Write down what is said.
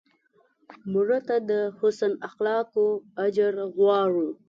مړه ته د حسن اخلاقو اجر غواړو